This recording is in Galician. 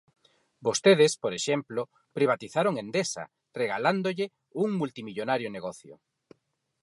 Vostedes, por exemplo, privatizaron Endesa, regalándolle un multimillonario negocio.